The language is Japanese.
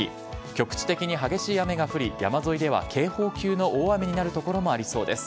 局地的に激しい雨が降り、山沿いでは警報級の大雨になる所もありそうです。